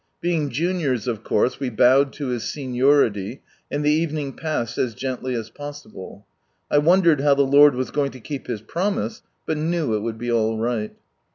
Being juniors, of course we bowed to his seniority, and the evening passed as gently as possible, I wondered how the Lord was going to keep His promise, but knew it would be all right.